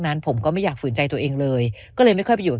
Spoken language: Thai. นั้นผมก็ไม่อยากฝืนใจตัวเองเลยก็เลยไม่ค่อยประโยชน